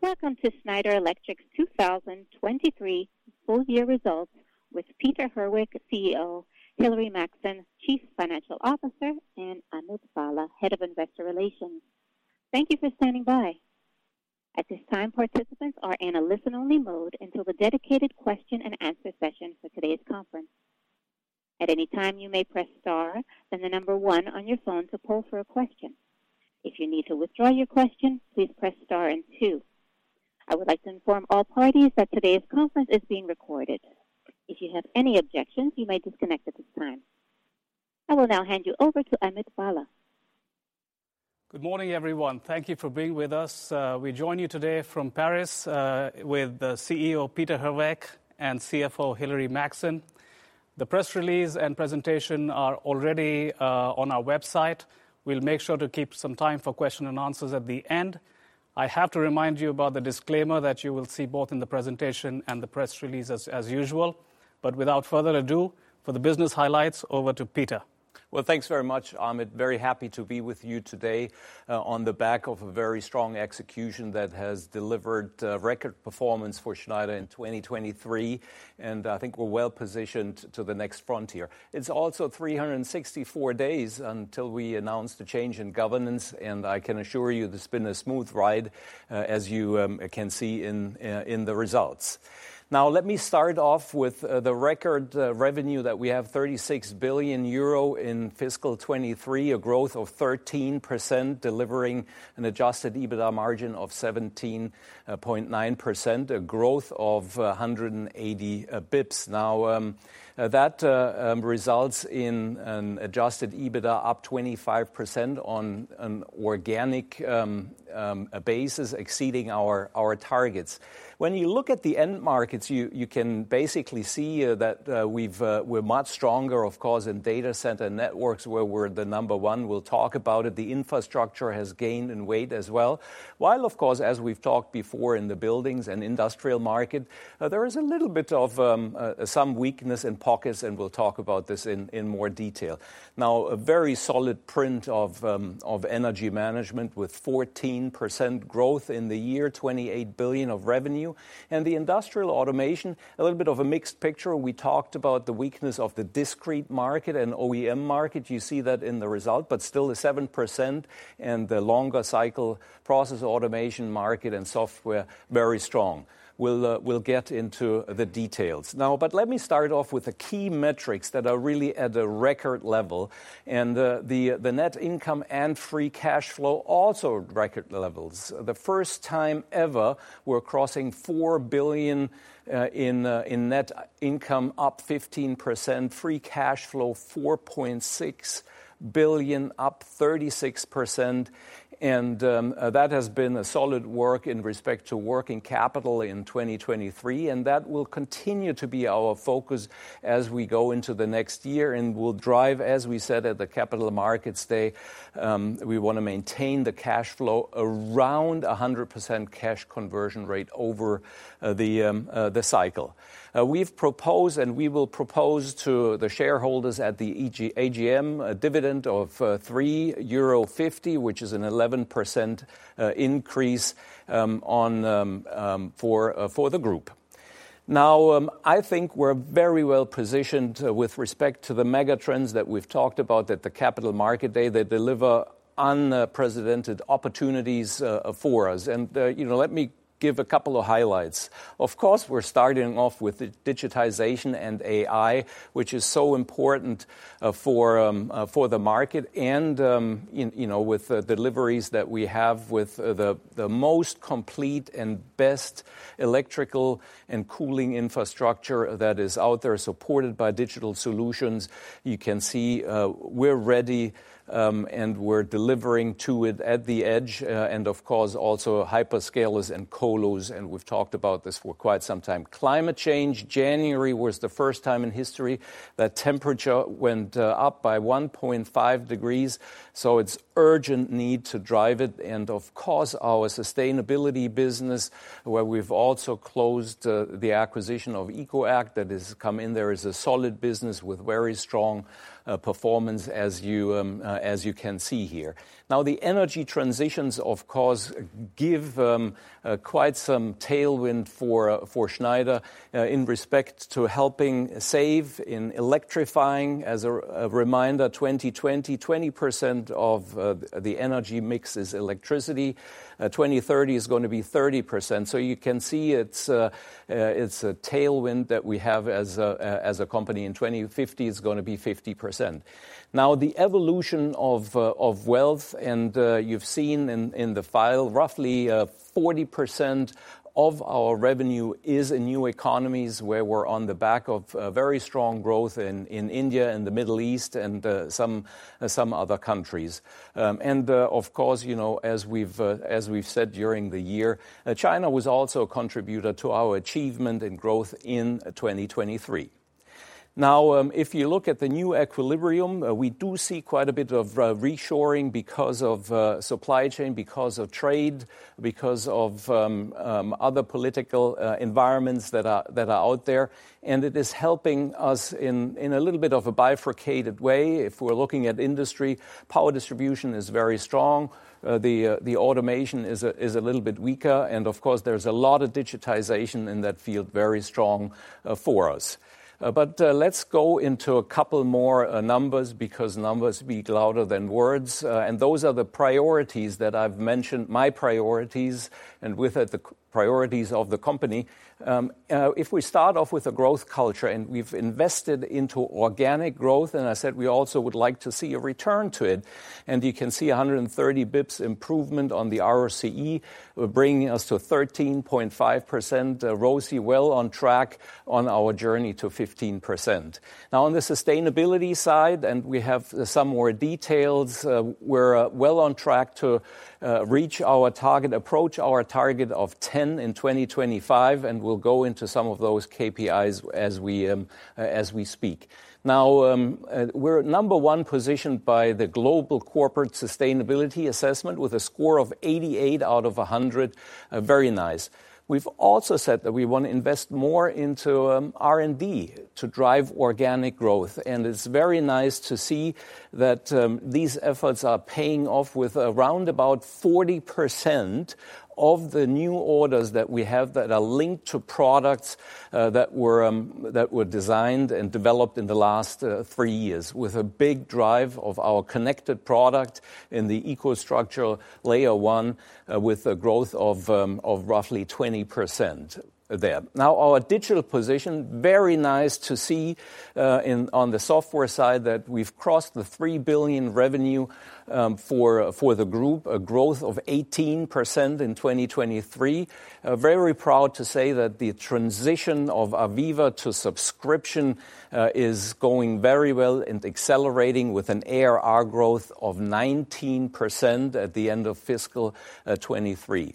Welcome to Schneider Electric's 2023 full year results with Peter Herweck, CEO, Hilary Maxson, Chief Financial Officer, and Amit Bhalla, Head of Investor Relations. Thank you for standing by. At this time, participants are in a listen-only mode until the dedicated question and answer session for today's conference. At any time, you may press star, then the number one on your phone to poll for a question. If you need to withdraw your question, please press star and two. I would like to inform all parties that today's conference is being recorded. If you have any objections, you may disconnect at this time. I will now hand you over to Amit Bhalla. Good morning, everyone. Thank you for being with us. We join you today from Paris with the CEO, Peter Herweck, and CFO, Hilary Maxson. The press release and presentation are already on our website. We'll make sure to keep some time for question and answers at the end. I have to remind you about the disclaimer that you will see both in the presentation and the press release as usual, but without further ado, for the business highlights, over to Peter. Well, thanks very much, Amit. Very happy to be with you today, on the back of a very strong execution that has delivered, record performance for Schneider in 2023, and I think we're well-positioned to the next frontier. It's also 364 days until we announce the change in governance, and I can assure you it's been a smooth ride, as you can see in the results. Now, let me start off with, the record, revenue that we have, 36 billion euro in fiscal 2023, a growth of 13%, delivering an adjusted EBITDA margin of 17.9%, a growth of, 180 bips. Now, that, results in an adjusted EBITDA up 25% on an organic, basis exceeding our targets. When you look at the end markets, you can basically see that we're much stronger, of course, in data center networks, where we're the number one. We'll talk about it. The infrastructure has gained in weight as well. While, of course, as we've talked before in the buildings and industrial market, there is a little bit of some weakness in pockets, and we'll talk about this in more detail. Now, a very solid print of Energy Management with 14% growth in the year, 28 billion of revenue. The Industrial Automation, a little bit of a mixed picture. We talked about the weakness of the Discrete market and OEM market. You see that in the result, but still the 7% and the longer cycle Process Automation market and software, very strong. We'll get into the details. Now, but let me start off with the key metrics that are really at a record level, and the net income and free cash flow, also record levels. The first time ever, we're crossing 4 billion in net income, up 15%, free cash flow, 4.6 billion, up 36%, and that has been a solid work in respect to working capital in 2023, and that will continue to be our focus as we go into the next year and will drive, as we said at the Capital Markets Day, we want to maintain the cash flow around a 100% cash conversion rate over the cycle. We've proposed, and we will propose to the shareholders at the AGM, a dividend of 3.50 euro, which is an 11% increase for the group. Now, I think we're very well-positioned with respect to the mega trends that we've talked about at the Capital Markets Day. They deliver unprecedented opportunities for us. You know, let me give a couple of highlights. Of course, we're starting off with the digitization and AI, which is so important for the market and, you know, with the deliveries that we have with the most complete and best electrical and cooling infrastructure that is out there, supported by digital solutions. You can see, we're ready, and we're delivering to it at the edge, and of course, also hyperscalers and colos, and we've talked about this for quite some time. Climate change, January was the first time in history that temperature went up by 1.5 degrees, so it's urgent need to drive it. And of course, our sustainability business, where we've also closed the acquisition of EcoAct, that has come in there, is a solid business with very strong performance, as you can see here. Now, the energy transitions, of course, give quite some tailwind for Schneider in respect to helping save in electrifying. As a reminder, 2020, 20% of the energy mix is electricity. 2030 is going to be 30%. So you can see it's, it's a tailwind that we have as a, as a company, in 2050, it's going to be 50%. Now, the evolution of, of wealth, and, you've seen in, in the file, roughly, 40% of our revenue is in new economies, where we're on the back of, very strong growth in, in India and the Middle East and, some, some other countries. And, of course, you know, as we've, as we've said during the year, China was also a contributor to our achievement and growth in 2023. Now, if you look at the new equilibrium, we do see quite a bit of reshoring because of supply chain, because of trade, because of other political environments that are out there, and it is helping us in a little bit of a bifurcated way. If we're looking at industry, power distribution is very strong. The automation is a little bit weaker, and of course, there's a lot of digitization in that field, very strong for us. But let's go into a couple more numbers, because numbers speak louder than words. And those are the priorities that I've mentioned, my priorities, and with it, the priorities of the company. If we start off with a growth culture, and we've invested into organic growth, and I said we also would like to see a return to it, and you can see 130 basis points improvement on the ROCE, bringing us to 13.5%, ROCE well on track on our journey to 15%. Now, on the sustainability side, and we have some more details, we're well on track to reach our target, approach our target of 10 in 2025, and we'll go into some of those KPIs as we speak. Now, we're at number one position by the Global Corporate Sustainability Assessment, with a score of 88 out of 100. Very nice. We've also said that we want to invest more into R&D to drive organic growth, and it's very nice to see that these efforts are paying off with around about 40% of the new orders that we have that are linked to products that were designed and developed in the last 3 years, with a big drive of our connected product in the EcoStruxure layer one, with a growth of roughly 20% there. Now, our digital position, very nice to see, on the software side, that we've crossed the 3 billion revenue for the group, a growth of 18% in 2023. Very proud to say that the transition of AVEVA to subscription is going very well and accelerating with an ARR growth of 19% at the end of fiscal 2023.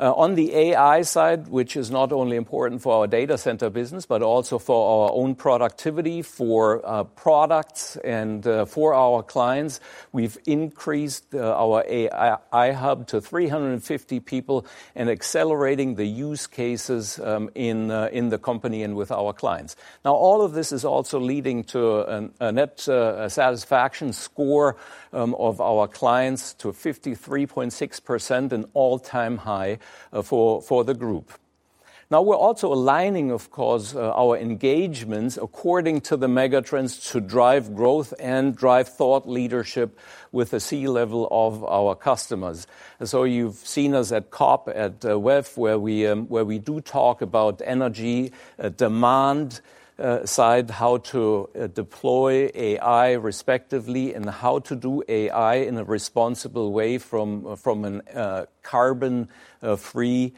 On the AI side, which is not only important for our data center business, but also for our own productivity, for products, and for our clients, we've increased our AI hub to 350 people, and accelerating the use cases in the company and with our clients. Now, all of this is also leading to a net satisfaction score of our clients to 53.6%, an all-time high for the group. Now, we're also aligning, of course, our engagements according to the megatrends to drive growth and drive thought leadership with the C-level of our customers. So you've seen us at COP, at WEF, where we do talk about energy demand side, how to deploy AI respectively, and how to do AI in a responsible way from an carbon-free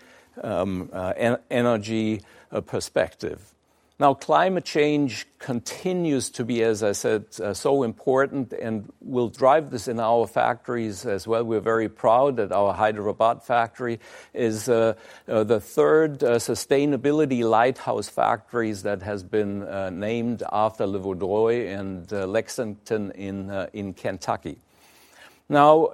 energy perspective. Now, climate change continues to be, as I said, so important, and we'll drive this in our factories as well. We're very proud that our Hyderabad factory is the third sustainability lighthouse factories that has been named after Levallois and Lexington in Kentucky. Now,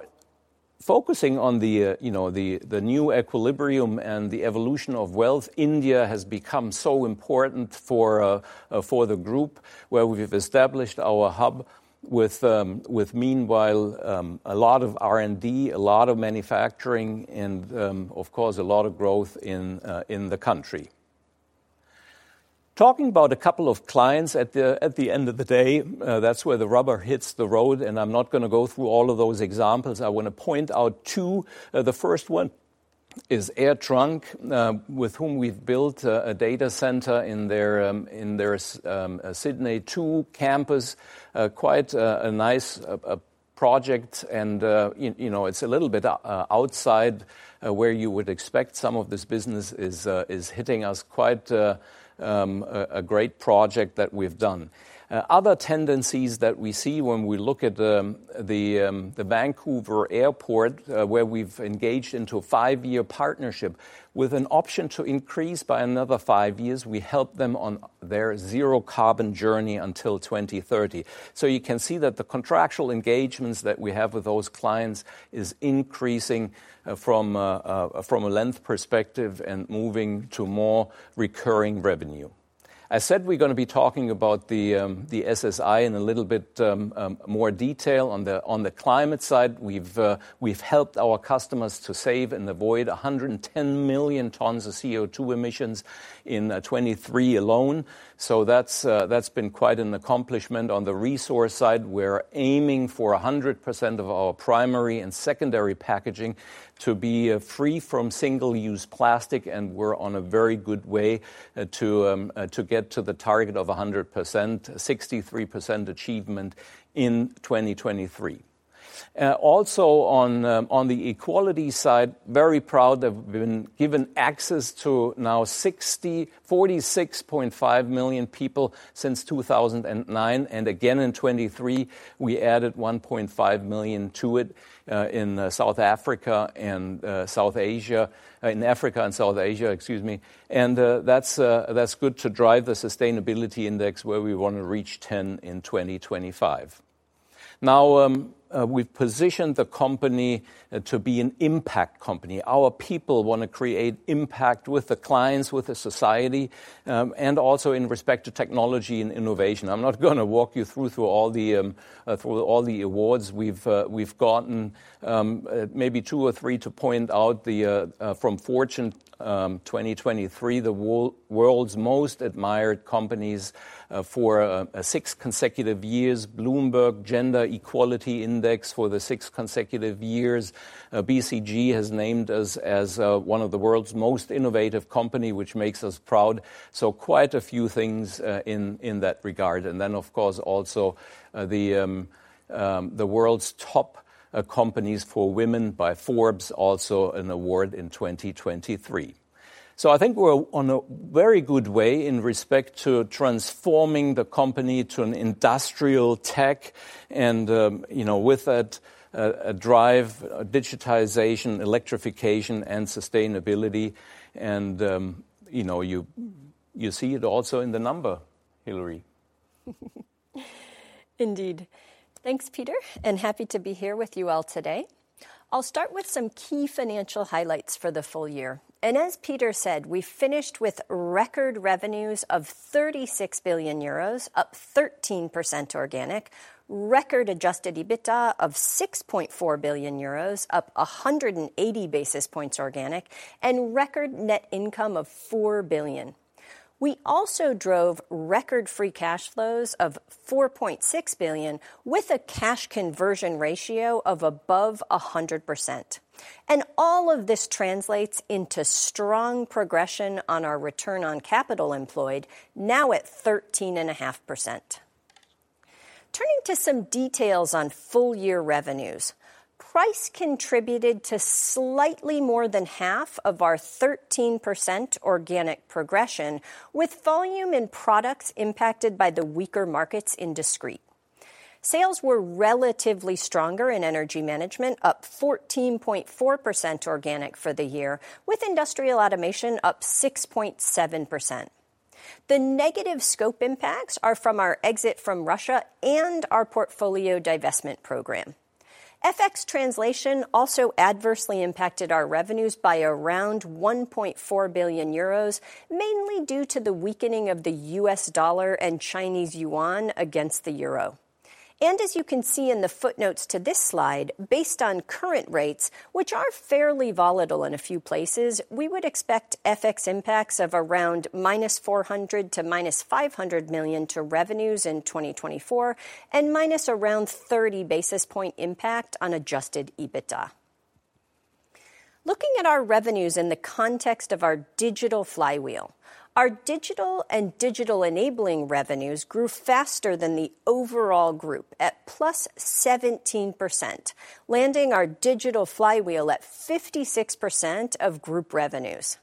focusing on the, you know, the new equilibrium and the evolution of wealth, India has become so important for the group, where we've established our hub with, meanwhile, a lot of R&D, a lot of manufacturing, and, of course, a lot of growth in the country. Talking about a couple of clients at the end of the day, that's where the rubber hits the road, and I'm not gonna go through all of those examples. I want to point out two. The first one is AirTrunk, with whom we've built a data center in their Sydney Two campus. Quite a nice project and, you know, it's a little bit outside where you would expect some of this business is hitting us. Quite a great project that we've done. Other tendencies that we see when we look at the Vancouver Airport, where we've engaged into a 5-year partnership with an option to increase by another 5 years, we help them on their zero-carbon journey until 2030. So you can see that the contractual engagements that we have with those clients is increasing, from a length perspective and moving to more recurring revenue. I said we're gonna be talking about the SSI in a little bit, more detail. On the climate side, we've helped our customers to save and avoid 110 million tons of CO2 emissions in 2023 alone, so that's been quite an accomplishment. On the resource side, we're aiming for 100% of our primary and secondary packaging to be free from single-use plastic, and we're on a very good way to get to the target of 100%, 63% achievement in 2023. Also on the equality side, very proud to have been given access to now 64.65 million people since 2009, and again in 2023, we added 1.5 million to it, in South Africa and South Asia. In Africa and South Asia, that's good to drive the sustainability index, where we want to reach 10 in 2025. Now, we've positioned the company to be an impact company. Our people wanna create impact with the clients, with the society, and also in respect to technology and innovation. I'm not gonna walk you through all the awards we've gotten. Maybe two or three to point out, from Fortune, 2023, the world's most admired companies for six consecutive years, Bloomberg Gender Equality Index for the six consecutive years. BCG has named us as one of the world's most innovative company, which makes us proud. So quite a few things in that regard, and then, of course, also the world's top companies for women by Forbes, also an award in 2023. So I think we're on a very good way in respect to transforming the company to an industrial tech and, you know, with that, a drive, digitization, electrification, and sustainability, and, you know, you see it also in the number, Hilary. Indeed. Thanks, Peter, and happy to be here with you all today. I'll start with some key financial highlights for the full year, and as Peter said, we finished with record revenues of 36 billion euros, up 13% organic, record adjusted EBITDA of 6.4 billion euros, up 180 basis points organic, and record net income of 4 billion. We also drove record free cash flows of 4.6 billion, with a cash conversion ratio of above 100%, and all of this translates into strong progression on our return on capital employed, now at 13.5%. Turning to some details on full year revenues, price contributed to slightly more than half of our 13% organic progression, with volume and products impacted by the weaker markets in discrete. Sales were relatively stronger in Energy Management, up 14.4% organic for the year, with Industrial Automation up 6.7%. The negative scope impacts are from our exit from Russia and our portfolio divestment program. FX translation also adversely impacted our revenues by around 1.4 billion euros, mainly due to the weakening of the US dollar and Chinese yuan against the euro. As you can see in the footnotes to this slide, based on current rates, which are fairly volatile in a few places, we would expect FX impacts of around -400 million to -500 million to revenues in 2024, and minus around 30 basis point impact on Adjusted EBITDA. Looking at our revenues in the context of our digital flywheel, our digital and digital enabling revenues grew faster than the overall group at +17%, landing our digital flywheel at 56% of group revenues.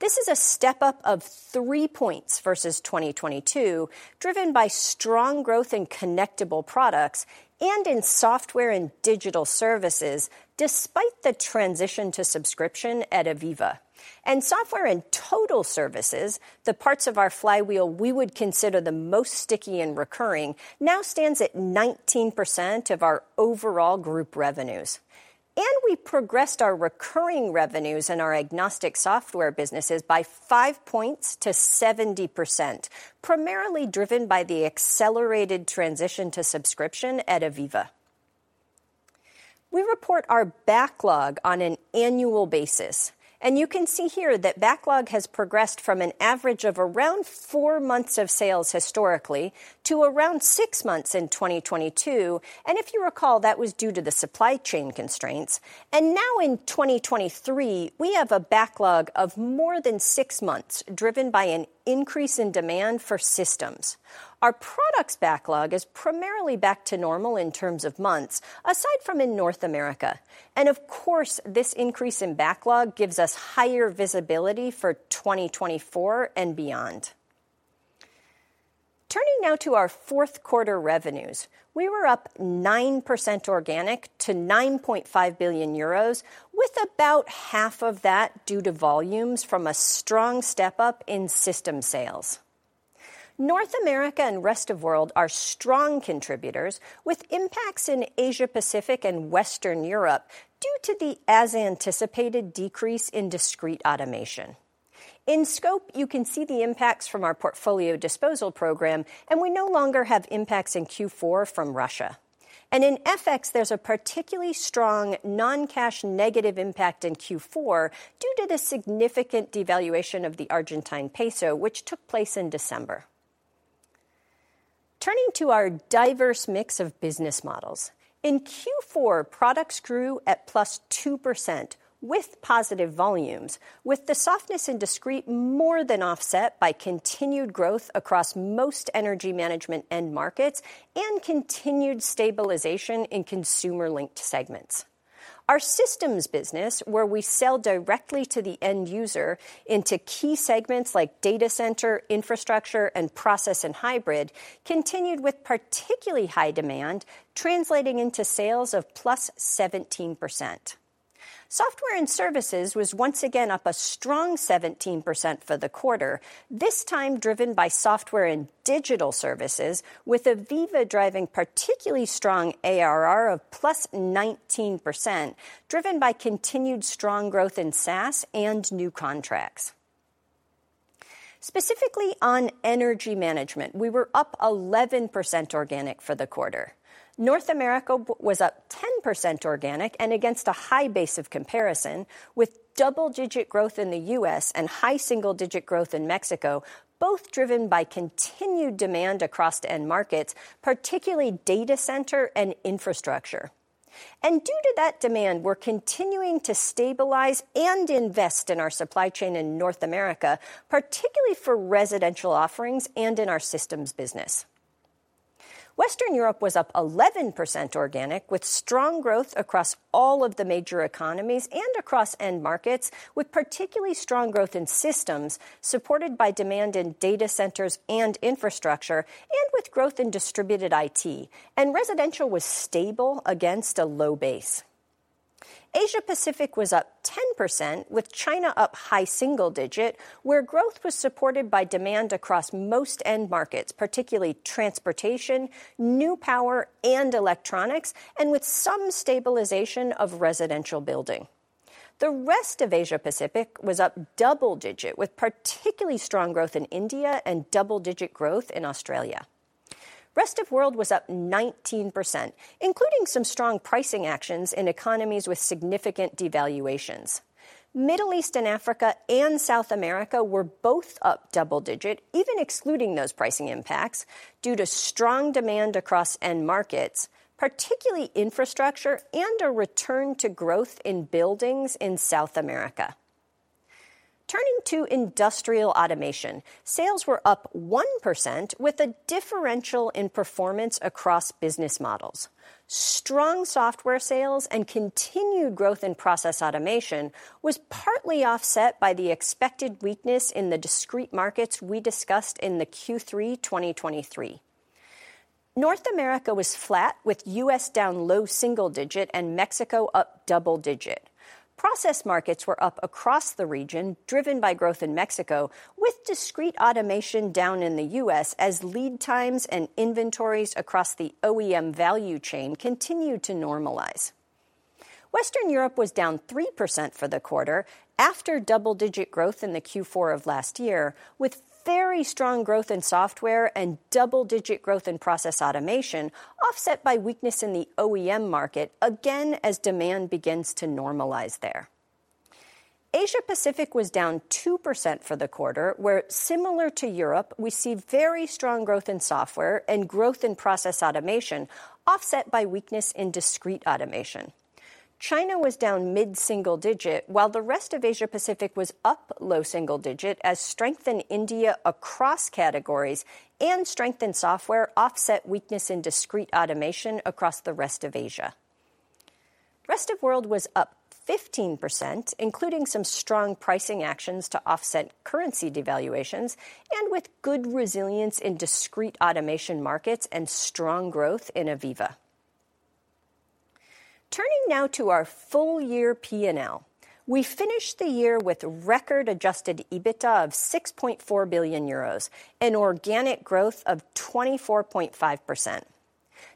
This is a step up of 3 points versus 2022, driven by strong growth in connectable products and in software and digital services, despite the transition to subscription at AVEVA. And software and total services, the parts of our flywheel we would consider the most sticky and recurring, now stands at 19% of our overall group revenues. And we progressed our recurring revenues in our agnostic software businesses by 5 points to 70%, primarily driven by the accelerated transition to subscription at AVEVA. We report our backlog on an annual basis, and you can see here that backlog has progressed from an average of around four months of sales historically to around six months in 2022, and if you recall, that was due to the supply chain constraints. Now in 2023, we have a backlog of more than six months, driven by an increase in demand for systems. Our products backlog is primarily back to normal in terms of months, aside from in North America, and of course, this increase in backlog gives us higher visibility for 2024 and beyond. Turning now to our fourth quarter revenues, we were up 9% organic to 9.5 billion euros, with about half of that due to volumes from a strong step up in system sales. North America and rest of world are strong contributors, with impacts in Asia Pacific and Western Europe due to the as-anticipated decrease in Discrete Automation. In scope, you can see the impacts from our portfolio disposal program, and we no longer have impacts in Q4 from Russia. And in FX, there's a particularly strong non-cash negative impact in Q4 due to the significant devaluation of the Argentine peso, which took place in December. Turning to our diverse mix of business models, in Q4, products grew at +2%, with positive volumes, with the softness in discrete more than offset by continued growth across most Energy Management end markets and continued stabilization in consumer-linked segments. Our systems business, where we sell directly to the end user into key segments like Data Center, infrastructure, and process and hybrid, continued with particularly high demand, translating into sales of +17%.... Software and services was once again up a strong 17% for the quarter, this time driven by software and digital services, with AVEVA driving particularly strong ARR of +19%, driven by continued strong growth in SaaS and new contracts. Specifically on energy management, we were up 11% organic for the quarter. North America was up 10% organic, and against a high base of comparison, with double-digit growth in the US and high single-digit growth in Mexico, both driven by continued demand across end markets, particularly data center and infrastructure. And due to that demand, we're continuing to stabilize and invest in our supply chain in North America, particularly for residential offerings and in our systems business. Western Europe was up 11% organic, with strong growth across all of the major economies and across end markets, with particularly strong growth in systems, supported by demand in data centers and infrastructure, and with growth in Distributed IT. Residential was stable against a low base. Asia Pacific was up 10%, with China up high single-digit, where growth was supported by demand across most end markets, particularly transportation, new power, and electronics, and with some stabilization of residential building. The rest of Asia Pacific was up double-digit, with particularly strong growth in India and double-digit growth in Australia. Rest of World was up 19%, including some strong pricing actions in economies with significant devaluations. Middle East and Africa and South America were both up double-digit, even excluding those pricing impacts, due to strong demand across end markets, particularly infrastructure and a return to growth in buildings in South America. Turning to Industrial Automation, sales were up 1%, with a differential in performance across business models. Strong software sales and continued growth in process automation was partly offset by the expected weakness in the discrete markets we discussed in the Q3 2023. North America was flat, with U.S. down low single-digit and Mexico up double-digit. Process markets were up across the region, driven by growth in Mexico, with discrete automation down in the U.S. as lead times and inventories across the OEM value chain continued to normalize. Western Europe was down 3% for the quarter after double-digit growth in the Q4 of last year, with very strong growth in software and double-digit growth in process automation, offset by weakness in the OEM market, again, as demand begins to normalize there. Asia Pacific was down 2% for the quarter, where, similar to Europe, we see very strong growth in software and growth in process automation, offset by weakness in discrete automation. China was down mid-single digit, while the rest of Asia Pacific was up low single digit, as strength in India across categories and strength in software offset weakness in discrete automation across the rest of Asia. Rest of world was up 15%, including some strong pricing actions to offset currency devaluations, and with good resilience in discrete automation markets and strong growth in AVEVA. Turning now to our full-year P&L, we finished the year with record adjusted EBITDA of 6.4 billion euros, an organic growth of 24.5%.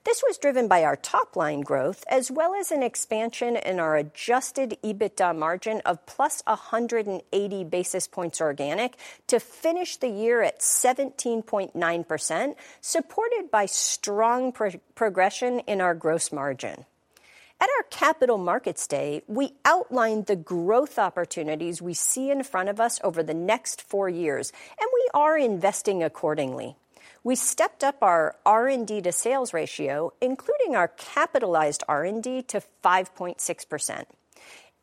This was driven by our top-line growth, as well as an expansion in our adjusted EBITDA margin of +180 basis points organic to finish the year at 17.9%, supported by strong progression in our gross margin. At our Capital Markets Day, we outlined the growth opportunities we see in front of us over the next four years, and we are investing accordingly. We stepped up our R&D to sales ratio, including our capitalized R&D, to 5.6%.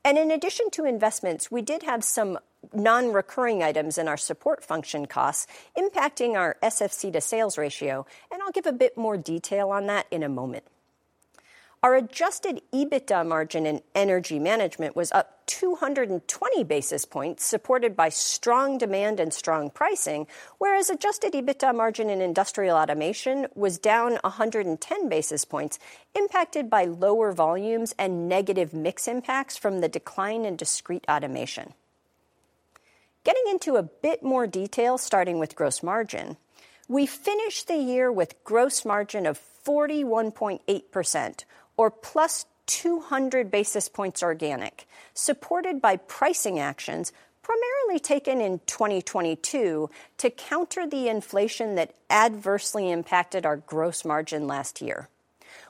And in addition to investments, we did have some non-recurring items in our support function costs impacting our SFC to sales ratio, and I'll give a bit more detail on that in a moment. Our adjusted EBITDA margin in Energy Management was up 220 basis points, supported by strong demand and strong pricing, whereas adjusted EBITDA margin in Industrial Automation was down 110 basis points, impacted by lower volumes and negative mix impacts from the decline in Discrete Automation. Getting into a bit more detail, starting with gross margin, we finished the year with gross margin of 41.8%, or plus 200 basis points organic, supported by pricing actions primarily taken in 2022 to counter the inflation that adversely impacted our gross margin last year.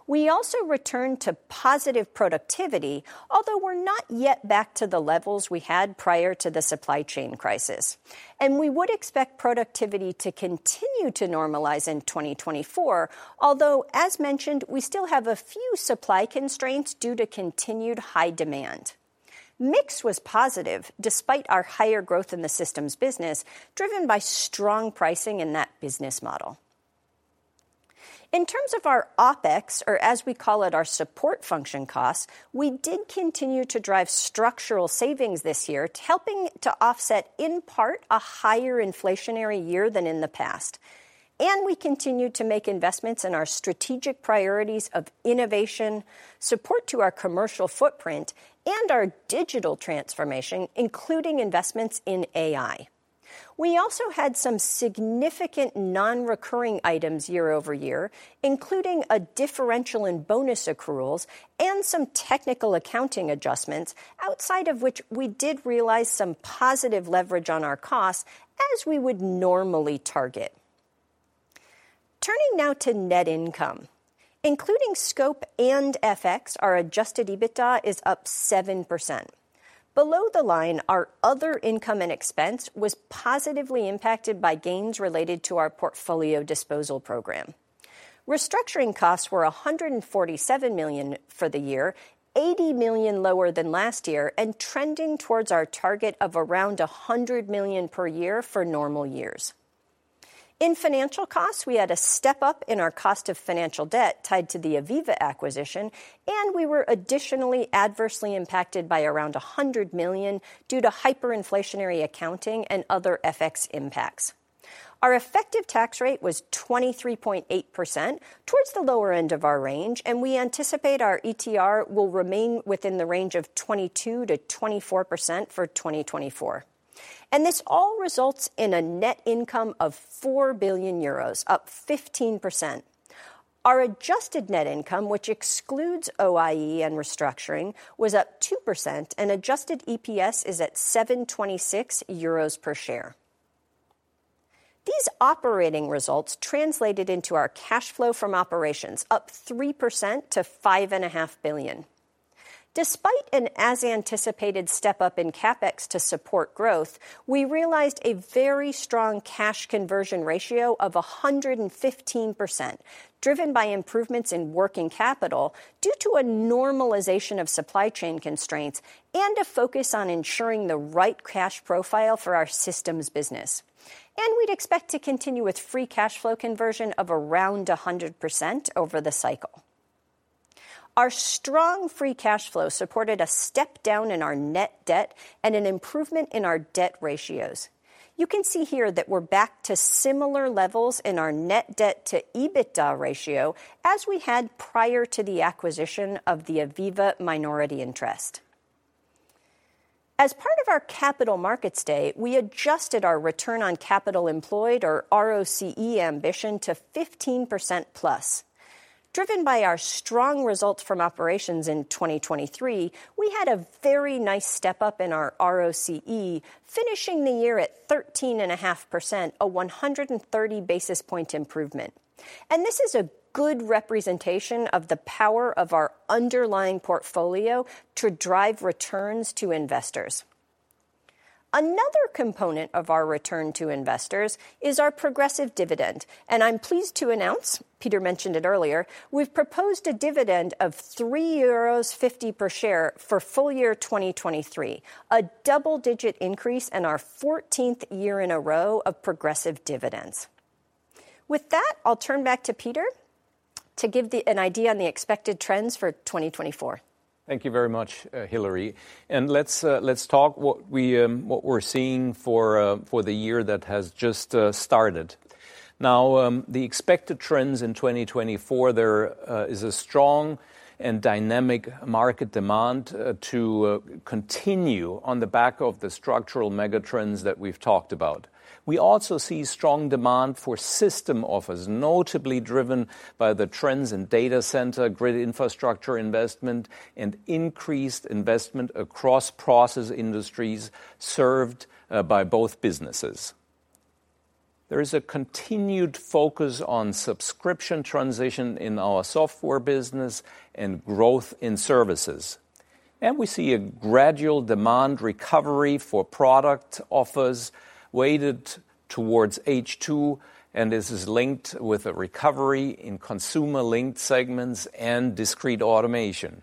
We also returned to positive productivity, although we're not yet back to the levels we had prior to the supply chain crisis, and we would expect productivity to continue to normalize in 2024, although, as mentioned, we still have a few supply constraints due to continued high demand. Mix was positive, despite our higher growth in the systems business, driven by strong pricing in that business model. In terms of our OpEx, or as we call it, our support function costs, we did continue to drive structural savings this year, helping to offset, in part, a higher inflationary year than in the past... and we continued to make investments in our strategic priorities of innovation, support to our commercial footprint, and our digital transformation, including investments in AI. We also had some significant non-recurring items year over year, including a differential in bonus accruals and some technical accounting adjustments, outside of which we did realize some positive leverage on our costs, as we would normally target. Turning now to net income, including scope and FX, our adjusted EBITDA is up 7%. Below the line, our other income and expense was positively impacted by gains related to our portfolio disposal program. Restructuring costs were 147 million for the year, 80 million lower than last year, and trending towards our target of around 100 million per year for normal years. In financial costs, we had a step-up in our cost of financial debt tied to the AVEVA acquisition, and we were additionally adversely impacted by around 100 million due to hyperinflationary accounting and other FX impacts. Our effective tax rate was 23.8%, towards the lower end of our range, and we anticipate our ETR will remain within the range of 22%-24% for 2024. This all results in a net income of 4 billion euros, up 15%. Our adjusted net income, which excludes OIE and restructuring, was up 2%, and adjusted EPS is at 7.26 euros per share. These operating results translated into our cash flow from operations, up 3% to 5.5 billion. Despite an as-anticipated step-up in CapEx to support growth, we realized a very strong cash conversion ratio of 115%, driven by improvements in working capital due to a normalization of supply chain constraints and a focus on ensuring the right cash profile for our systems business. We'd expect to continue with free cash flow conversion of around 100% over the cycle. Our strong free cash flow supported a step-down in our net debt and an improvement in our debt ratios. You can see here that we're back to similar levels in our net debt to EBITDA ratio as we had prior to the acquisition of the AVEVA minority interest. As part of our Capital Markets Day, we adjusted our return on capital employed, or ROCE ambition, to 15%+. Driven by our strong results from operations in 2023, we had a very nice step-up in our ROCE, finishing the year at 13.5%, a 130 basis point improvement. This is a good representation of the power of our underlying portfolio to drive returns to investors. Another component of our return to investors is our progressive dividend, and I'm pleased to announce, Peter mentioned it earlier, we've proposed a dividend of 3.50 euros per share for full year 2023, a double-digit increase and our fourteenth year in a row of progressive dividends. With that, I'll turn back to Peter to give an idea on the expected trends for 2024. Thank you very much, Hilary. And let's, let's talk what we, what we're seeing for, for the year that has just, started. Now, the expected trends in 2024, there is a strong and dynamic market demand, to continue on the back of the structural mega trends that we've talked about. We also see strong demand for system offers, notably driven by the trends in data center, grid infrastructure investment, and increased investment across process industries served, by both businesses. There is a continued focus on subscription transition in our software business and growth in services. And we see a gradual demand recovery for product offers weighted towards H2, and this is linked with a recovery in consumer-linked segments and Discrete Automation.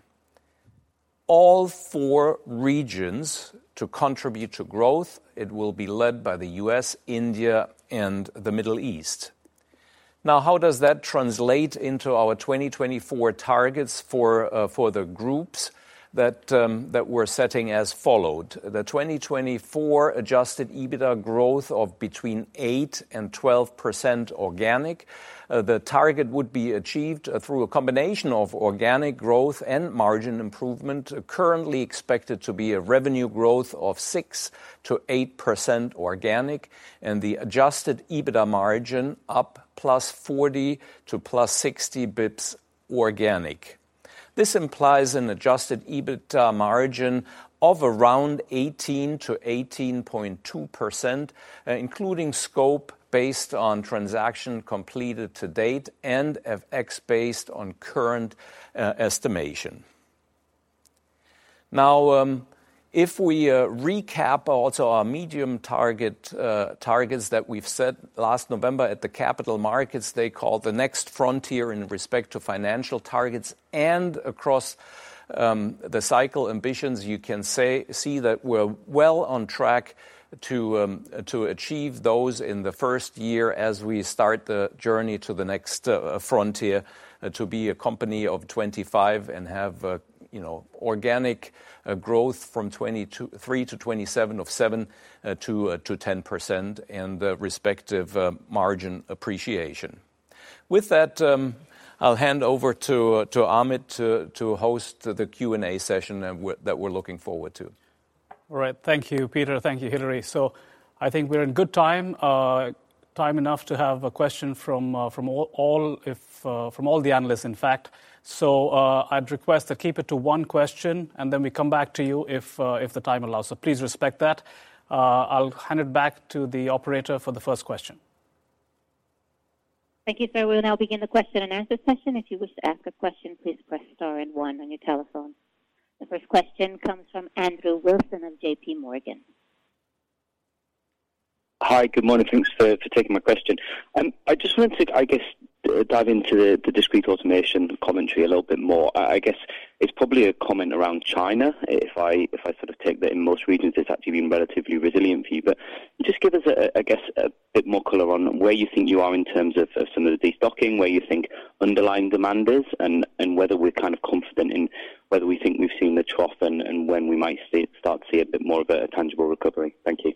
All four regions to contribute to growth, it will be led by the U.S., India, and the Middle East. Now, how does that translate into our 2024 targets for the groups that we're setting as follows? The 2024 adjusted EBITDA growth of between 8% and 12% organic. The target would be achieved through a combination of organic growth and margin improvement, currently expected to be a revenue growth of 6%-8% organic, and the adjusted EBITDA margin up +40 to +60 basis points organic. This implies an adjusted EBITDA margin of around 18%-18.2%, including scope based on transaction completed to date and FX based on current estimation. Now, if we recap also our medium-term targets that we've set last November at the Capital Markets Day, we call the next frontier with respect to financial targets and across the cycle ambitions, you can see that we're well on track to achieve those in the first year as we start the journey to the next frontier, to be a company of 25 and have a, you know, organic growth from 2023 to 2027 of 7%-10%, and the respective margin appreciation. With that, I'll hand over to Amit to host the Q&A session that we're looking forward to. All right. Thank you, Peter. Thank you, Hilary. So I think we're in good time, time enough to have a question from all the analysts, in fact. So, I'd request to keep it to one question, and then we come back to you if the time allows. So please respect that. I'll hand it back to the operator for the first question. Thank you, sir. We'll now begin the question and answer session. If you wish to ask a question, please press star and one on your telephone. The first question comes from Andrew Wilson of J.P. Morgan. Hi. Good morning. Thanks for taking my question. I just wanted to, I guess, dive into the Discrete Automation commentary a little bit more. I guess, it's probably a comment around China. If I sort of take that in most regions, it's actually been relatively resilient for you. But just give us a, I guess, a bit more color on where you think you are in terms of some of the destocking, where you think underlying demand is, and whether we're kind of confident in whether we think we've seen the trough and when we might see, start to see a bit more of a tangible recovery. Thank you.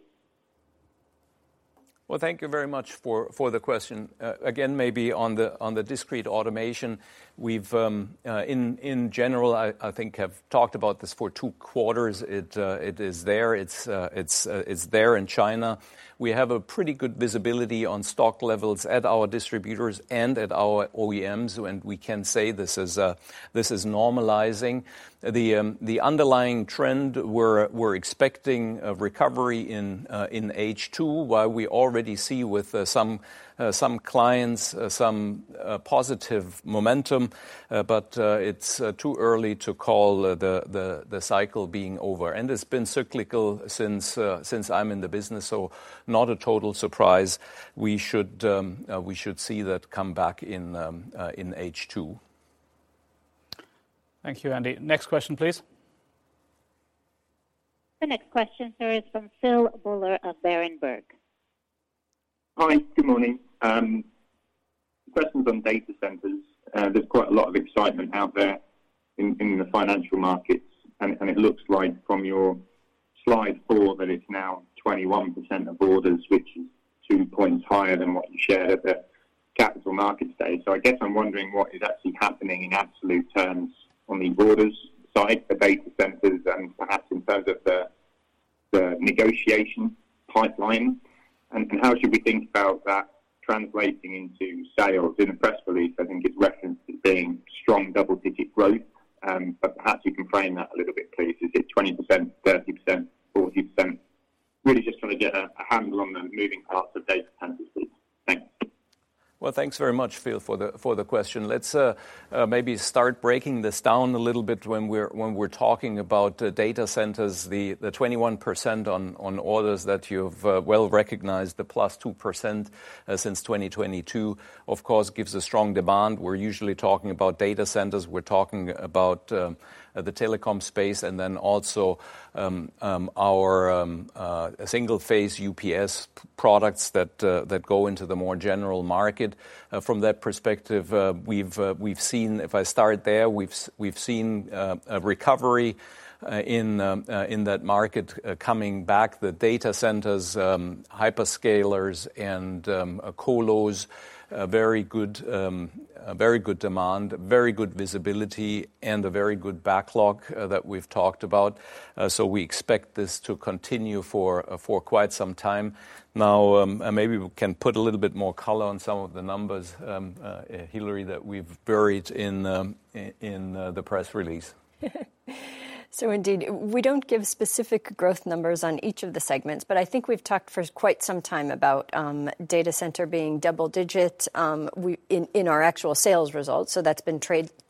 Well, thank you very much for the question. Again, maybe on the Discrete Automation, we've in general, I think, have talked about this for two quarters. It is there. It's there in China. We have a pretty good visibility on stock levels at our distributors and at our OEMs, and we can say this is normalizing. The underlying trend, we're expecting a recovery in H2, while we already see with some clients, some positive momentum, but it's too early to call the cycle being over. And it's been cyclical since I'm in the business, so not a total surprise. We should see that come back in H2. Thank you, Andy. Next question, please. The next question, sir, is from Phil Buller of Berenberg. Hi. Good morning. First, on data centers, there's quite a lot of excitement out there in the financial markets, and it looks like from your slide 4, that it's now 21% of orders, which is two points higher than what you shared at the Capital Markets Day. So I guess I'm wondering what is actually happening in absolute terms on the orders side, the data centers, and perhaps in terms of the negotiation pipeline, and how should we think about that translating into sales? In the press release, I think it's referenced as being strong double-digit growth, but perhaps you can frame that a little bit, please. Is it 20%, 30%, 40%? Really just trying to get a handle on the moving parts of data centers. Thanks. Well, thanks very much, Phil, for the question. Let's maybe start breaking this down a little bit when we're talking about data centers. The 21% on orders that you've well recognized, the +2% since 2022, of course, gives a strong demand. We're usually talking about data centers. We're talking about the telecom space and then also our single-phase UPS products that go into the more general market. From that perspective, we've seen—if I start there, we've seen a recovery in that market coming back, the data centers, hyperscalers and colos, a very good demand, very good visibility, and a very good backlog that we've talked about. So we expect this to continue for quite some time. Now, and maybe we can put a little bit more color on some of the numbers, Hilary, that we've buried in the press release. So indeed, we don't give specific growth numbers on each of the segments, but I think we've talked for quite some time about data center being double-digit, in our actual sales results, so that's been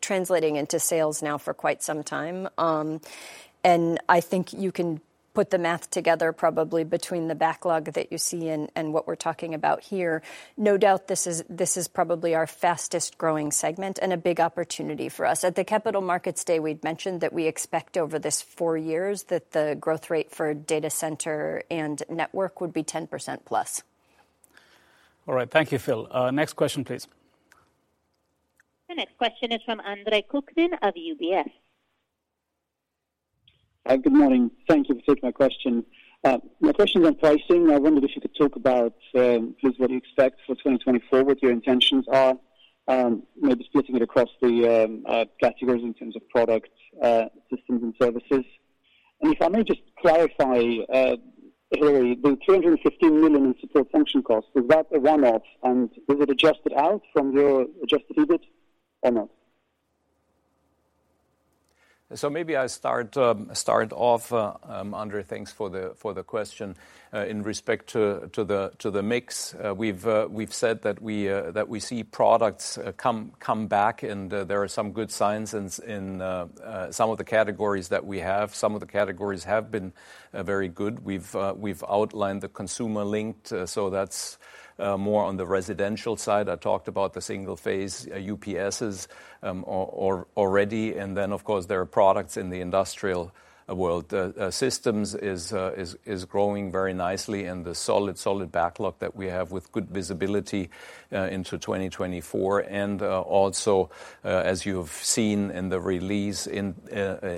translating into sales now for quite some time. And I think you can put the math together probably between the backlog that you see and what we're talking about here. No doubt, this is probably our fastest-growing segment and a big opportunity for us. At the Capital Markets Day, we'd mentioned that we expect over this four years that the growth rate for data center and network would be 10%+. All right. Thank you, Phil. Next question, please. The next question is from Andre Kukhnin of UBS. Hi, good morning. Thank you for taking my question. My question is on pricing. I wondered if you could talk about, just what you expect for 2024, what your intentions are, maybe splitting it across the, categories in terms of products, systems, and services. If I may just clarify, Hilary, the 215 million in support function costs, is that a one-off, and is it adjusted out from your adjusted EBIT or not? So maybe I start off, Andrei, thanks for the question. In respect to the mix, we've said that we see products come back, and there are some good signs in some of the categories that we have. Some of the categories have been very good. We've outlined the consumer link, so that's more on the residential side. I talked about the single-phase UPS products already, and then, of course, there are products in the industrial world. The systems is growing very nicely and the solid backlog that we have with good visibility into 2024, and also, as you've seen in the release,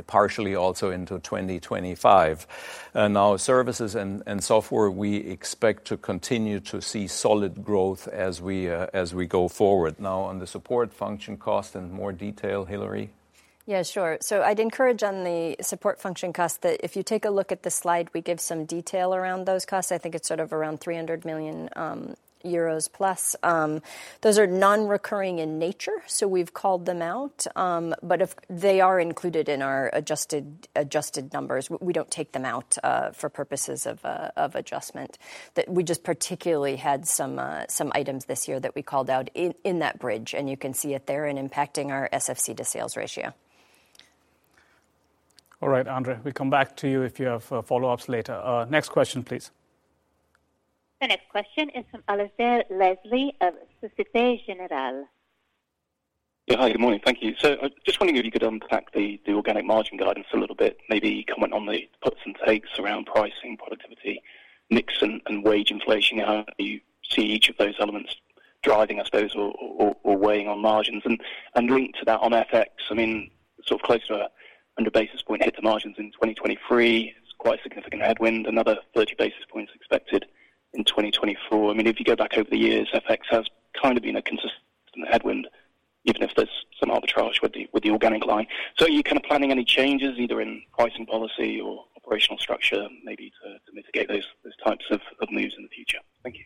partially also into 2025. And now services and software, we expect to continue to see solid growth as we go forward. Now, on the support function cost in more detail, Hilary? ... Yeah, sure. So I'd encourage on the support function cost, that if you take a look at the slide, we give some detail around those costs. I think it's sort of around 300 million euros plus. Those are non-recurring in nature, so we've called them out. But if they are included in our adjusted numbers, we don't take them out for purposes of adjustment. That we just particularly had some items this year that we called out in that bridge, and you can see it there in impacting our SFC to sales ratio. All right, Andre, we come back to you if you have follow-ups later. Next question, please. The next question is from Alasdair Leslie of Société Générale. Yeah, hi, good morning. Thank you. So I was just wondering if you could unpack the organic margin guidance a little bit, maybe comment on the puts and takes around pricing, productivity, mix, and wage inflation, and how you see each of those elements driving, I suppose, or weighing on margins. And linked to that on FX, I mean, sort of closer to 100 basis points hit the margins in 2023. It's quite a significant headwind, another 30 basis points expected in 2024. I mean, if you go back over the years, FX has kind of been a consistent headwind, even if there's some arbitrage with the organic line. So are you kind of planning any changes, either in pricing policy or operational structure, maybe to mitigate those types of moves in the future? Thank you.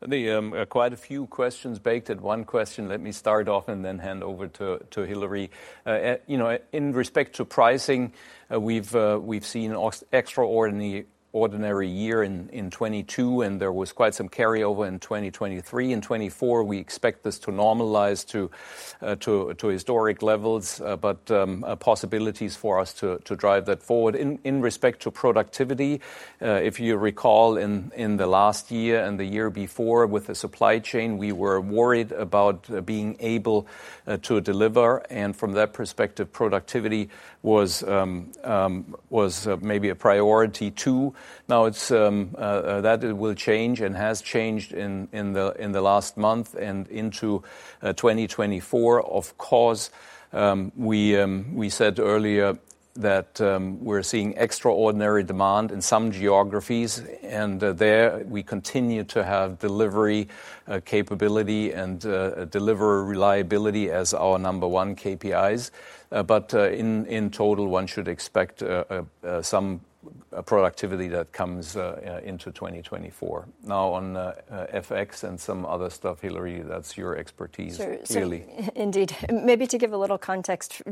That's quite a few questions baked in one question. Let me start off and then hand over to Hilary. You know, in respect to pricing, we've seen an extraordinary year in 2022, and there was quite some carryover in 2023. In 2024, we expect this to normalize to historic levels, but possibilities for us to drive that forward. In respect to productivity, if you recall, in the last year and the year before with the supply chain, we were worried about being able to deliver, and from that perspective, productivity was maybe a priority too. Now, it's that will change and has changed in the last month and into 2024. Of course, we said earlier that we're seeing extraordinary demand in some geographies, and there we continue to have delivery capability and deliver reliability as our number one KPIs. But in total, one should expect some productivity that comes into 2024. Now, on FX and some other stuff, Hilary, that's your expertise- Sure. Clearly. Indeed. Maybe to give a little context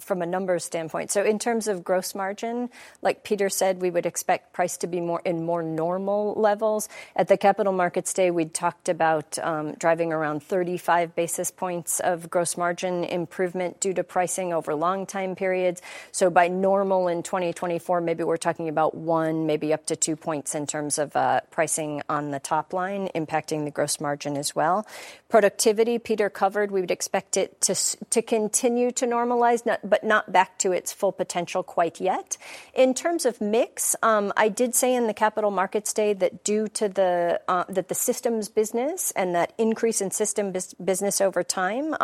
from a numbers standpoint. So in terms of gross margin, like Peter said, we would expect price to be more, in more normal levels. At the Capital Markets Day, we talked about driving around 35 basis points of gross margin improvement due to pricing over long time periods. So by normal in 2024, maybe we're talking about 1, maybe up to 2 points in terms of pricing on the top line, impacting the gross margin as well. Productivity, Peter covered, we would expect it to to continue to normalize, not, but not back to its full potential quite yet. In terms of mix, I did say in the Capital Markets Day that due to the systems business and that increase in systems business over time,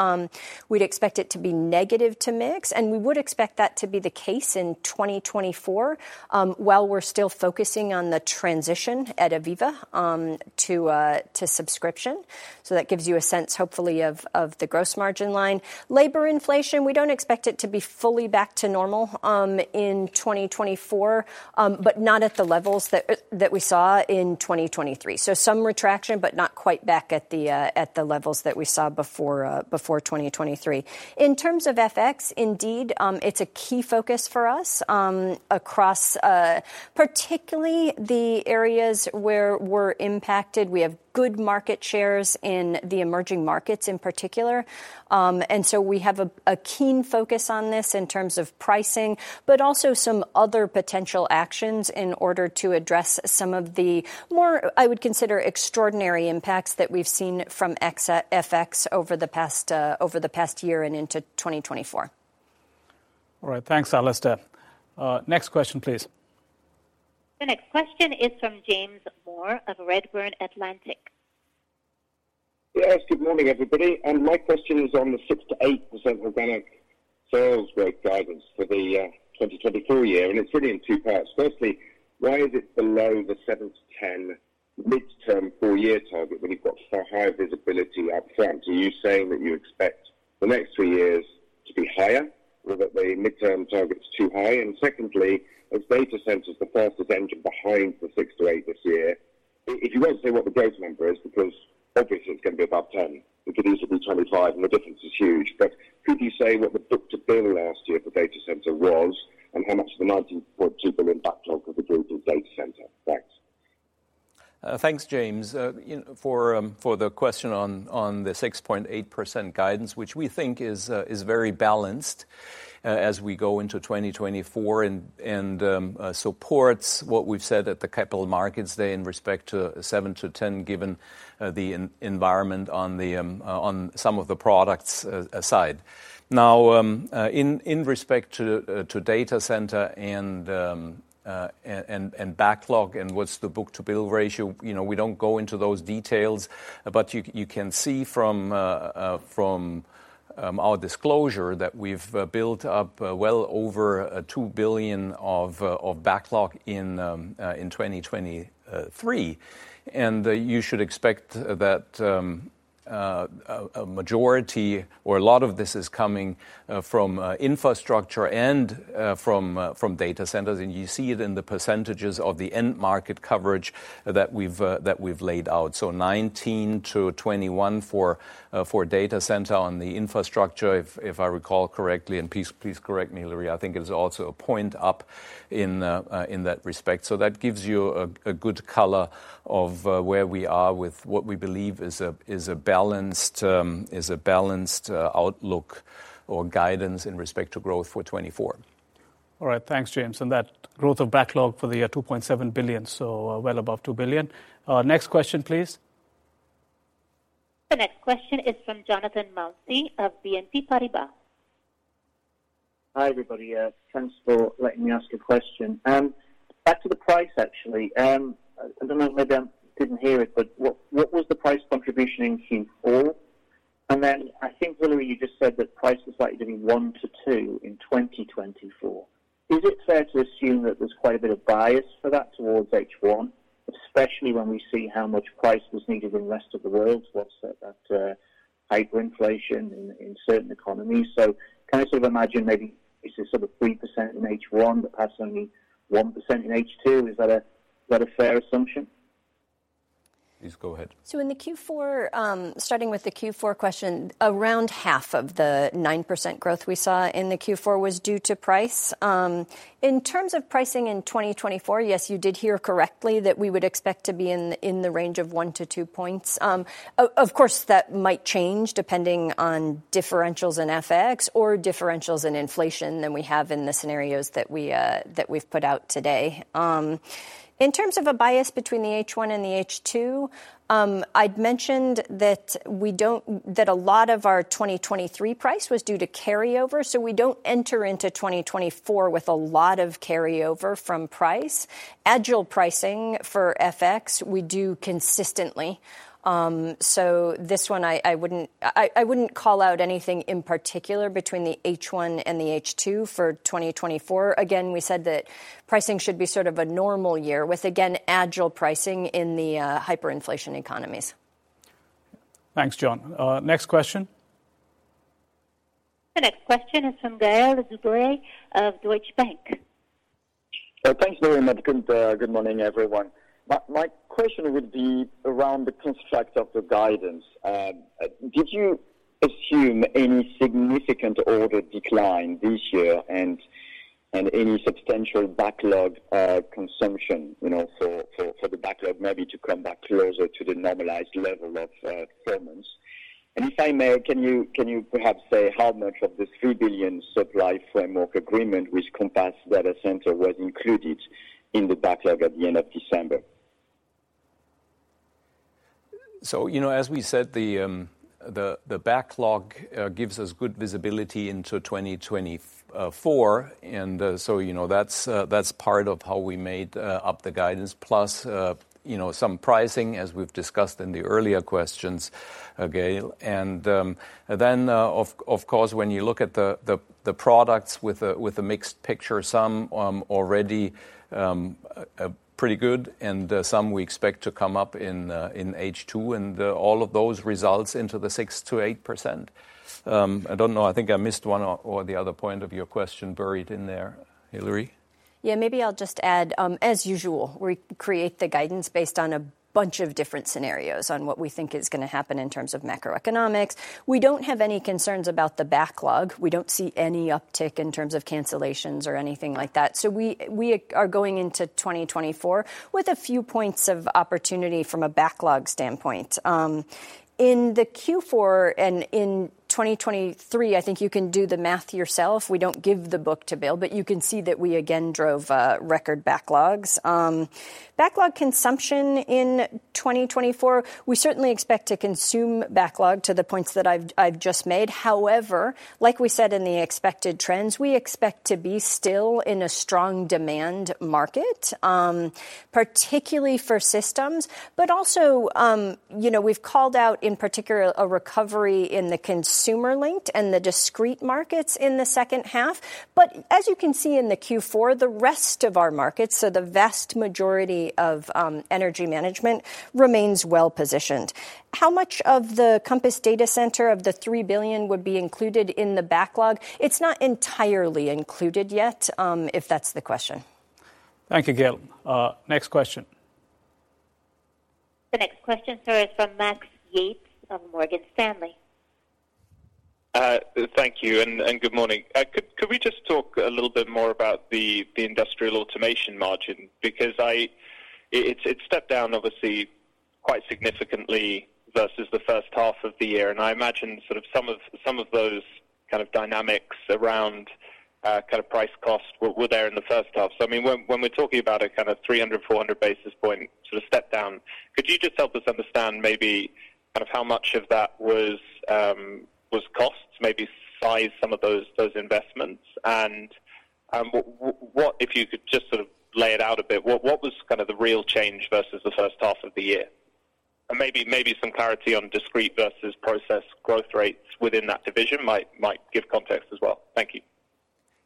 we'd expect it to be negative to mix, and we would expect that to be the case in 2024, while we're still focusing on the transition at AVEVA to subscription. So that gives you a sense, hopefully, of the gross margin line. Labor inflation, we don't expect it to be fully back to normal in 2024, but not at the levels that we saw in 2023. So some retraction, but not quite back at the levels that we saw before 2023. In terms of FX, indeed, it's a key focus for us across, particularly the areas where we're impacted. We have good market shares in the emerging markets in particular. And so we have a keen focus on this in terms of pricing, but also some other potential actions in order to address some of the more, I would consider, extraordinary impacts that we've seen from FX over the past, over the past year and into 2024. All right. Thanks, Alistair. Next question, please. The next question is from James Moore of Redburn Atlantic. Yes, good morning, everybody. My question is on the 6%-8% organic sales growth guidance for the 2024 year, and it's really in two parts. Firstly, why is it below the 7-10 midterm four-year target when you've got higher visibility upfront? Are you saying that you expect the next three years to be higher, or that the midterm target is too high? Secondly, as data centers the fastest engine behind the 6%-8% this year, if you won't say what the growth number is, because obviously it's gonna be above 10, it could easily be 25, and the difference is huge. But could you say what the book to bill last year for data center was and how much of the 19.2 billion backlog of the group is data center? Thanks. Thanks, James, you know, for the question on the 6.8% guidance, which we think is very balanced, as we go into 2024 and supports what we've said at the Capital Markets Day in respect to 7%-10%, given the environment on some of the products aside. Now, in respect to data center and backlog and what's the book to bill ratio, you know, we don't go into those details, but you can see from our disclosure that we've built up well over 2 billion of backlog in 2023. You should expect that a majority or a lot of this is coming from infrastructure and from data centers, and you see it in the percentages of the end market coverage that we've laid out. So 19%-21% for data center on the infrastructure, if I recall correctly, and please correct me, Hilary. I think it is also a point up in that respect. So that gives you a good color of where we are with what we believe is a balanced outlook or guidance in respect to growth for 2024. All right, thanks, James. And that growth of backlog for the year, €2.7 billion, so well above €2 billion. Next question, please. The next question is from Jonathan Mounsey of BNP Paribas. Hi, everybody. Thanks for letting me ask a question. Back to the price, actually, I don't know, maybe I didn't hear it, but what was the price contribution in Q4? And then I think, Hilary, you just said that price was likely to be 1-2 in 2024. Is it fair to assume that there's quite a bit of bias for that towards H1, especially when we see how much price was needed in rest of the world with that hyperinflation in certain economies? So can I sort of imagine maybe this is sort of 3% in H1, but perhaps only 1% in H2? Is that a fair assumption? Please go ahead. So in the Q4, starting with the Q4 question, around half of the 9% growth we saw in the Q4 was due to price. In terms of pricing in 2024, yes, you did hear correctly that we would expect to be in the range of 1-2 points. Of course, that might change depending on differentials in FX or differentials in inflation than we have in the scenarios that we've put out today. In terms of a bias between the H1 and the H2, I'd mentioned that we don't, that a lot of our 2023 price was due to carryover, so we don't enter into 2024 with a lot of carryover from price. Agile pricing for FX, we do consistently. So this one, I wouldn't call out anything in particular between the H1 and the H2 for 2024. Again, we said that pricing should be sort of a normal year, with again, agile pricing in the hyperinflation economies. Thanks, John. Next question? The next question is from Gaël de Bray of Deutsche Bank. Thanks very much. Good morning, everyone. My question would be around the construct of the guidance. Did you assume any significant order decline this year and any substantial backlog consumption, you know, for the backlog maybe to come back closer to the normalized level of performance? And if I may, can you perhaps say how much of this $3 billion supply framework agreement with Compass Datacenters was included in the backlog at the end of December? So, you know, as we said, the backlog gives us good visibility into 2024. And, so, you know, that's part of how we made up the guidance, plus, you know, some pricing, as we've discussed in the earlier questions, Gail. And, then, of course, when you look at the products with a mixed picture, some already pretty good, and some we expect to come up in H2, and all of those results into the 6%-8%. I don't know, I think I missed one or the other point of your question buried in there. Hilary? Yeah, maybe I'll just add, as usual, we create the guidance based on a bunch of different scenarios on what we think is gonna happen in terms of macroeconomics. We don't have any concerns about the backlog. We don't see any uptick in terms of cancellations or anything like that. So we, we are going into 2024 with a few points of opportunity from a backlog standpoint. In the Q4 and in 2023, I think you can do the math yourself. We don't give the book-to-bill, but you can see that we again drove record backlogs. Backlog consumption in 2024, we certainly expect to consume backlog to the points that I've, I've just made. However, like we said in the expected trends, we expect to be still in a strong demand market, particularly for systems, but also, you know, we've called out, in particular, a recovery in the consumer-linked and the discrete markets in the second half. But as you can see in the Q4, the rest of our markets, so the vast majority of, energy management, remains well-positioned. How much of the Compass Datacenters of the 3 billion would be included in the backlog? It's not entirely included yet, if that's the question. Thank you, Gail. Next question. The next question, sir, is from Max Yates of Morgan Stanley. Thank you, and good morning. Could we just talk a little bit more about the Industrial Automation margin? Because it's, it stepped down obviously quite significantly versus the first half of the year, and I imagine some of those kind of dynamics around kind of price cost were there in the first half. So, I mean, when we're talking about a kind of 300-400 basis points sort of step down, could you just help us understand maybe kind of how much of that was cost, maybe size some of those investments? And, if you could just sort of lay it out a bit, what was kind of the real change versus the first half of the year? Maybe some clarity on discrete versus process growth rates within that division might give context as well. Thank you.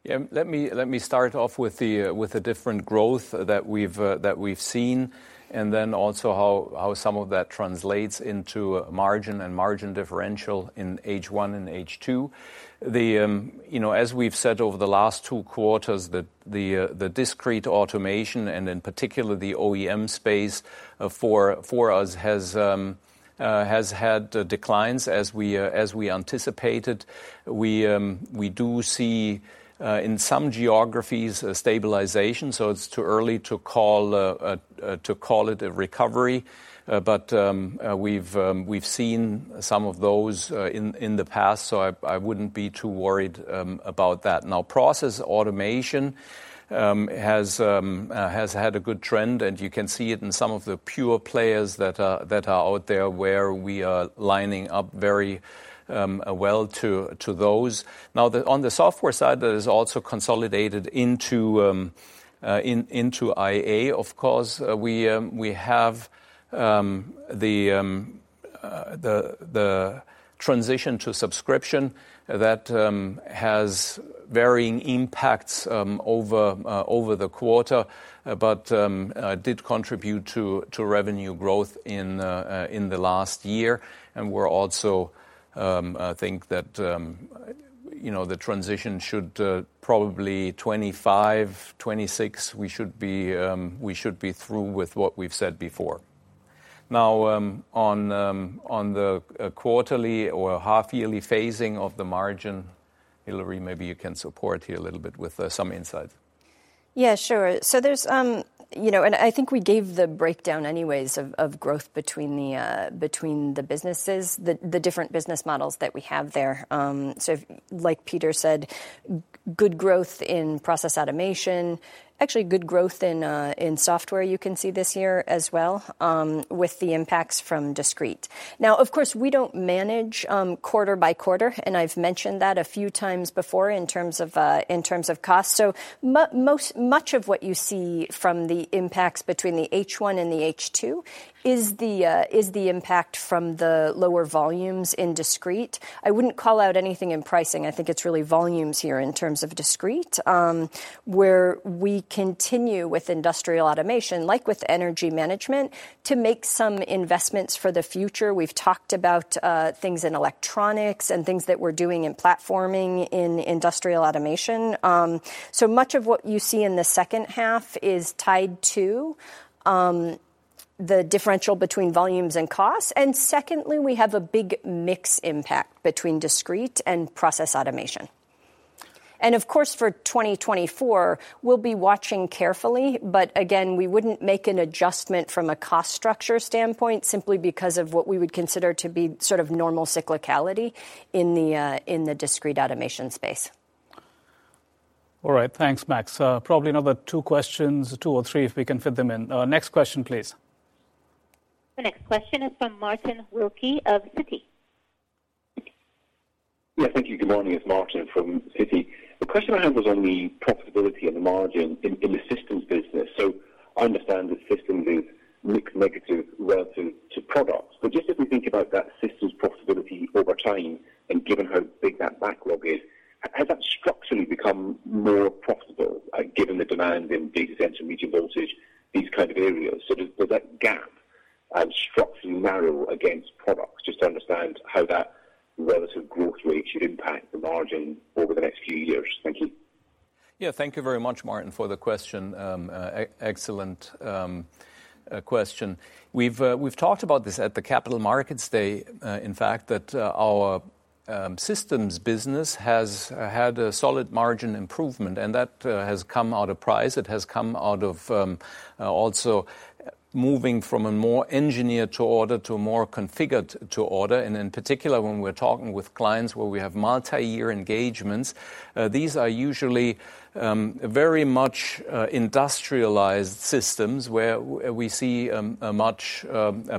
Yeah, let me start off with the different growth that we've seen, and then also how some of that translates into margin and margin differential in H1 and H2. You know, as we've said over the last two quarters, the Discrete Automation, and in particular, the OEM space, for us, has had declines as we anticipated. We do see in some geographies a stabilization, so it's too early to call it a recovery, but we've seen some of those in the past, so I wouldn't be too worried about that. Now, process automation has had a good trend, and you can see it in some of the pure players that are out there, where we are lining up very well to those. Now, on the software side, that is also consolidated into IA, of course. We have the transition to subscription that has varying impacts over the quarter, but did contribute to revenue growth in the last year. And we're also, I think that, you know, the transition should probably 2025, 2026, we should be through with what we've said before. Now, on the quarterly or half-yearly phasing of the margin, Hilary, maybe you can support here a little bit with some insight. Yeah, sure. So there's... You know, and I think we gave the breakdown anyways of growth between the businesses, the different business models that we have there. So like Peter said, good growth in process automation. Actually, good growth in software you can see this year as well, with the impacts from discrete. Now, of course, we don't manage quarter by quarter, and I've mentioned that a few times before in terms of cost. So much of what you see from the impacts between the H1 and the H2 is the impact from the lower volumes in discrete. I wouldn't call out anything in pricing. I think it's really volumes here in terms of discrete. Where we continue with industrial automation, like with energy management, to make some investments for the future. We've talked about, things in electronics and things that we're doing in platforming in Industrial Automation. So much of what you see in the second half is tied to, the differential between volumes and costs, and secondly, we have a big mix impact between discrete and process automation. And of course, for 2024, we'll be watching carefully, but again, we wouldn't make an adjustment from a cost structure standpoint, simply because of what we would consider to be sort of normal cyclicality in the, in the discrete automation space. All right. Thanks, Max. Probably another two questions, two or three, if we can fit them in. Next question, please. The next question is from Martin Wilkie of Citi. Yeah, thank you. Good morning, it's Martin from Citi. The question I have was on the profitability and the margin in the systems business. So I understand that systems is mixed negative relative to products. But just as we think about that systems profitability over time, and given how big that backlog is, has that structurally become more profitable, given the demand in data center, Medium Voltage, these kind of areas? So does that gap structurally narrow against products? Just to understand how that relative growth rate should impact the margin over the next few years. Thank you. Yeah, thank you very much, Martin, for the question. Excellent question. We've talked about this at the Capital Markets Day, in fact, that our systems business has had a solid margin improvement, and that has come out of price. It has come out of also moving from a more engineer to order to a more configured to order, and in particular, when we're talking with clients where we have multi-year engagements, these are usually very much industrialized systems, where we see a much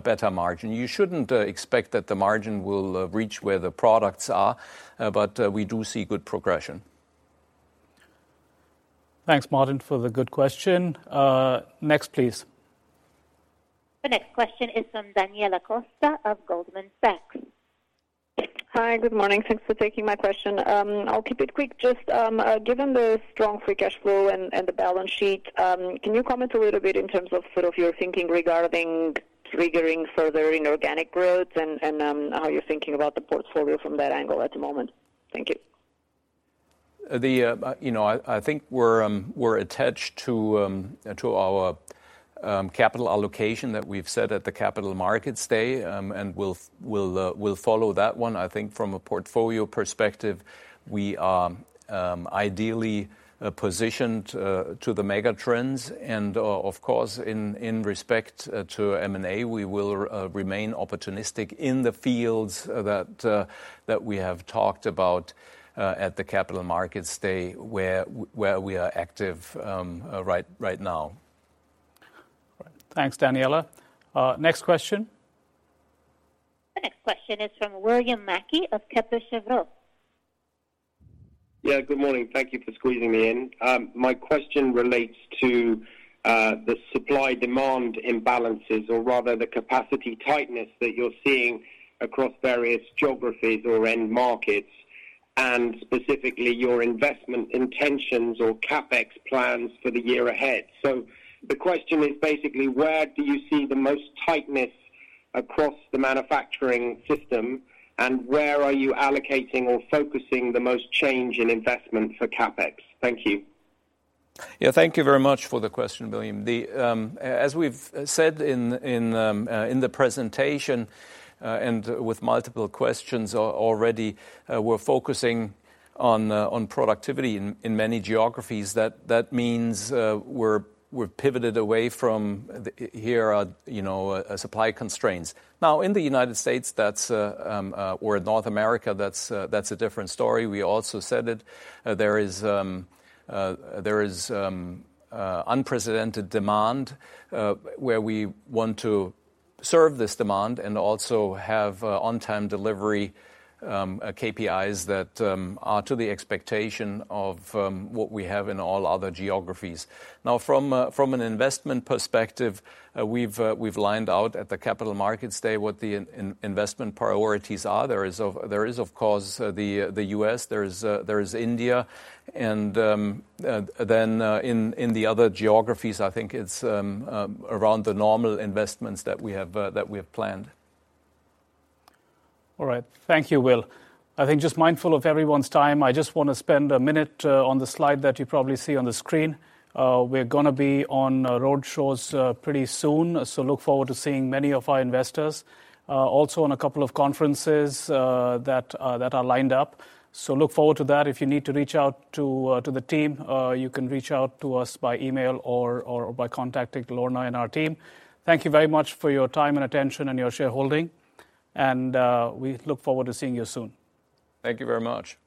better margin. You shouldn't expect that the margin will reach where the products are, but we do see good progression. Thanks, Martin, for the good question. Next, please. The next question is from Daniela Costa of Goldman Sachs. Hi, good morning. Thanks for taking my question. I'll keep it quick. Just, given the strong free cash flow and the balance sheet, can you comment a little bit in terms of sort of your thinking regarding triggering further inorganic growth and how you're thinking about the portfolio from that angle at the moment? Thank you. You know, I think we're attached to our capital allocation that we've said at the Capital Markets Day, and we'll follow that one. I think from a portfolio perspective, we are ideally positioned to the mega trends and, of course, in respect to M&A, we will remain opportunistic in the fields that we have talked about at the Capital Markets Day, where we are active right now. All right. Thanks, Daniela. Next question? The next question is from William Mackie of Kepler Cheuvreux. Yeah, good morning. Thank you for squeezing me in. My question relates to, the supply-demand imbalances, or rather the capacity tightness that you're seeing across various geographies or end markets, and specifically, your investment intentions or CapEx plans for the year ahead. The question is basically: Where do you see the most tightness across the manufacturing system, and where are you allocating or focusing the most change in investment for CapEx? Thank you. Yeah, thank you very much for the question, William. As we've said in the presentation, and with multiple questions already, we're focusing on productivity in many geographies. That means, we're pivoted away from the, here, you know, supply constraints. Now, in the United States, or North America, that's a different story. We also said it. There is unprecedented demand, where we want to serve this demand and also have on-time delivery KPIs that are to the expectation of what we have in all other geographies. Now, from an investment perspective, we've lined out at the Capital Markets Day, what the investment priorities are. There is, of course, the U.S., there's India, and then, in the other geographies, I think it's around the normal investments that we have planned. All right. Thank you, Will. I think just mindful of everyone's time, I just wanna spend a minute on the slide that you probably see on the screen. We're gonna be on roadshows pretty soon, so look forward to seeing many of our investors also on a couple of conferences that that are lined up. So look forward to that. If you need to reach out to the team, you can reach out to us by email or or by contacting Lorna and our team. Thank you very much for your time and attention and your shareholding, and we look forward to seeing you soon. Thank you very much.